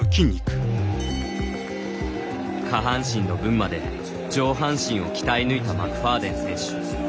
下半身の分まで上半身を鍛え抜いたマクファーデン選手。